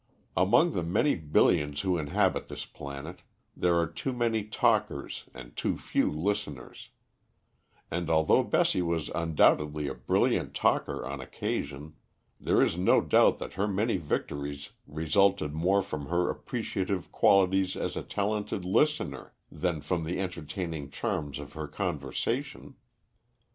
Among the many billions who inhabit this planet, there are too many talkers and too few listeners; and although Bessie was undoubtedly a brilliant talker on occasion, there is no doubt that her many victories resulted more from her appreciative qualities as a talented listener than from the entertaining charms of her conversation.